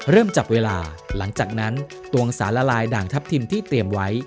เริ่มจับเวลาหลังจากนั้นตวงสารละลายด่างทัพทิมที่เตรียมไว้